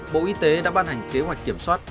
bộ y tế đã ban hành kế hoạch kiểm soát